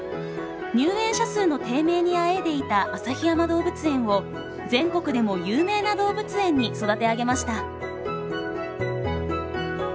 入園者数の低迷にあえいでいた旭山動物園を全国でも有名な動物園に育て上げました。